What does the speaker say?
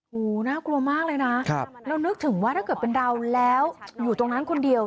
น่ากลัวมากเลยนะเรานึกถึงว่าถ้าเกิดเป็นเราแล้วอยู่ตรงนั้นคนเดียว